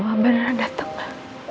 mama beneran datang mbak